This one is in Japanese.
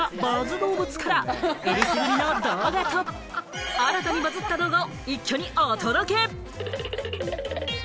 どうぶつから、えりすぐりの動画と新たにバズった動画を一挙にお届け！